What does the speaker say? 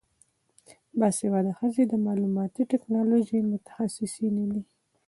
باسواده ښځې د معلوماتي ټیکنالوژۍ متخصصینې دي.